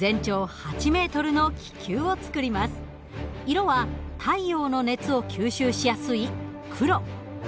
色は太陽の熱を吸収しやすい黒。